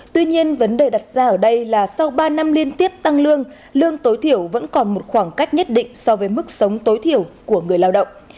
tuy nhiên vấn đề đặt ra ở đây là sau ba năm liên tiếp tăng lương lương tối thiểu vẫn còn một khoảng cách nhất định so với mức sống tối thiểu của người lao động